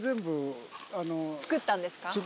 作ったんですか？